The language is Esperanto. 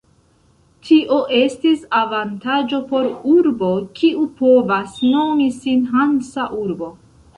Tio estis avantaĝo por urbo, kiu povas nomi sin hansa urbo.